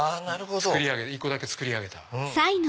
１個だけ作り上げた。